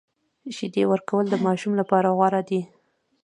شیدې ورکول د ماشوم لپاره غوره دي۔